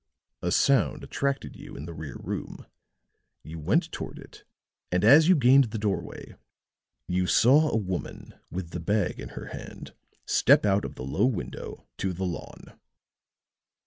A sound attracted you in the rear room. You went toward it, and as you gained the doorway you saw a woman with the bag in her hand step out of the low window to the lawn."